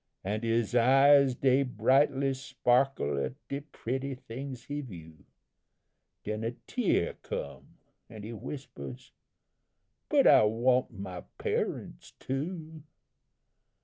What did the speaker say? "An' his eyes dey brightly sparkle at de pretty things he view; Den a tear come an' he whispers 'But I want my parents too!'